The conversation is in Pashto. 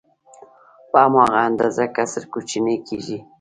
په هماغه اندازه کسر کوچنی کېږي